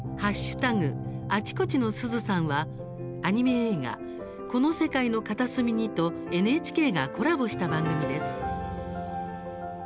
あちこちのすずさん」はアニメ映画「この世界の片隅に」とＮＨＫがコラボした番組です。